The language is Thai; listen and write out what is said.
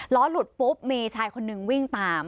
ล้อหลุดปุ๊บมีชายคนนึงวิ่งตาม